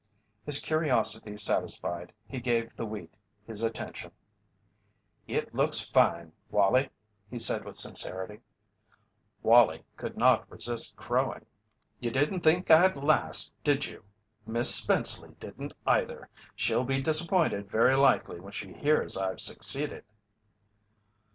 His curiosity satisfied, he gave the wheat his attention. "It looks fine, Wallie," he said with sincerity. Wallie could not resist crowing: "You didn't think I'd last, did you? Miss Spenceley didn't, either. She'll be disappointed very likely when she hears I've succeeded."